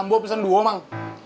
ambo pesen dua mang